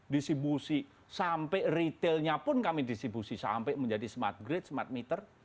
distribusi sampai retailnya pun kami distribusi sampai menjadi smart grade smart meter